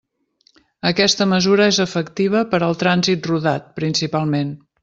Aquesta mesura és efectiva per al trànsit rodat principalment.